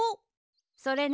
それね。